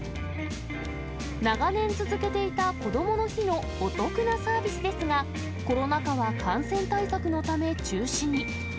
長年続けていたこどもの日のお得なサービスですが、コロナ禍は感染対策のため中止に。